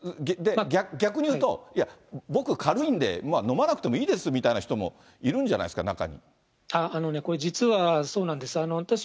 逆に言うと、いや、僕、軽いんで、飲まなくてもいいですみたいな人もいるんじゃないですか？